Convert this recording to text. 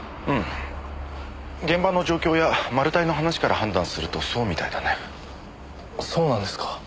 現場の状況やマル対の話から判断するとそうみたいだね。そうなんですか。